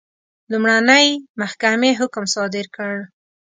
لومړنۍ محکمې حکم صادر کړ.